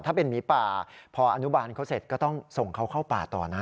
ถ้าเป็นหมีป่าพออนุบาลเขาเสร็จก็ต้องส่งเขาเข้าป่าต่อนะ